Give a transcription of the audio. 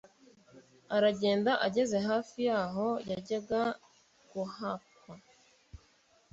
Aragenda ageze hafi y'aho yajyaga guhakwa,